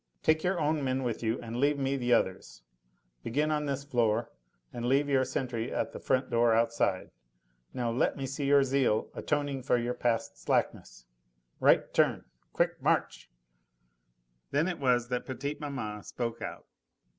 Take your own men with you, and leave me the others. Begin on this floor, and leave your sentry at the front door outside. Now let me see your zeal atoning for your past slackness. Right turn! Quick march!" Then it was that petite maman spoke out.